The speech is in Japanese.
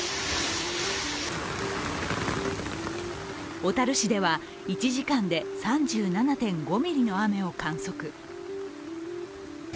小樽市では１時間で３７．５ミリの雨を観測。